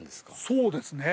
そうですね。